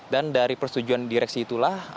dan dari persetujuan direksi itulah